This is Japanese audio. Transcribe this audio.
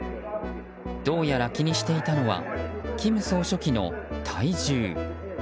どうやら気にしていたのは金総書記の体重。